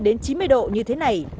đến chín mươi độc như thế này